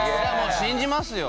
信じますよ。